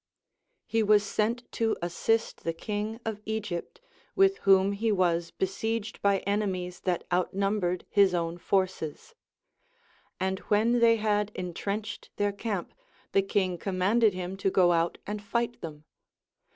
He was sent to assist the king of Egypt, wilh whom he Λvas besieged by enemies that outnumbered his own forces ; and Λvhcn they had en trenched their camp, the king commanded him to go out and fight them.